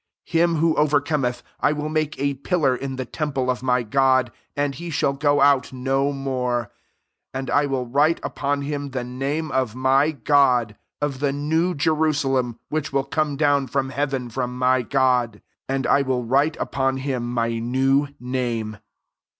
1£ Him who overcom leth, I will make a pillar in the temple of my God, and he shall go out no more : and I will write upon him the name of my God, of the new Jerusalem, which will come down from heaven from my God ; and / wiU write ufion Aim my new name.'